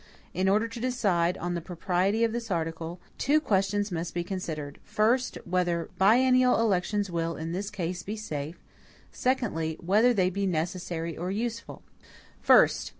In order to decide on the propriety of this article, two questions must be considered: first, whether biennial elections will, in this case, be safe; secondly, whether they be necessary or useful. First.